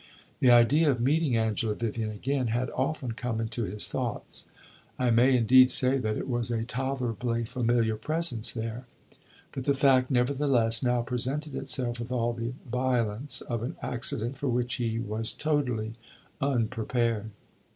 The idea of meeting Angela Vivian again had often come into his thoughts; I may, indeed, say that it was a tolerably familiar presence there; but the fact, nevertheless, now presented itself with all the violence of an accident for which he was totally unprepared.